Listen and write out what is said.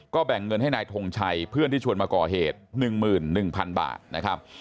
แบ่งเงินให้นายทงชัยเพื่อนที่ชวนมาก่อเหตุ๑๑๐๐๐บาทนะครับ